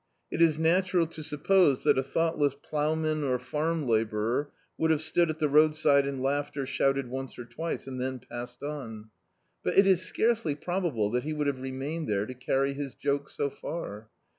It is natural to suppose that a thoughtless ploughman, or farm labourer, would have stood at the roadside and laughed or shouted mice or twice, and then passed on, but it is scarcely probable that he would have remained there to carry his joke so far.